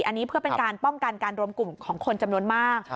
อันนี้เพื่อเป็นการป้องกันการรวมกลุ่มของคนจำนวนมาก